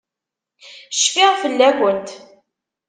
Cfiɣ fell-akent.